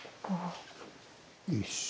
よいしょ。